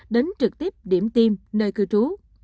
đến trực tiếp điểm tiêm nơi cư trú